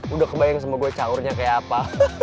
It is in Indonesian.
udah kebayang sama gue caurnya kayak apa